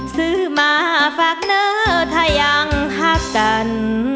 ซื้อมาฝากเนอะถ้ายังฮักกัน